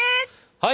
はい！